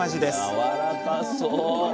やわらかそう！